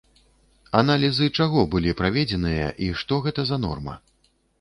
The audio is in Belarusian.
Аналізы чаго былі праведзеныя і што гэта за норма?